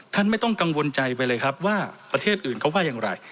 ไม่ต้องกังวลใจไปเลยครับว่าประเทศอื่นเขาว่าอย่างไร